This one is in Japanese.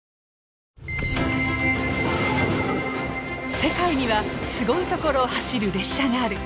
世界にはすごい所を走る列車がある。